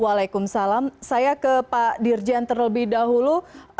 waalaikumsalam saya ke pak dirjen terlebih dahulu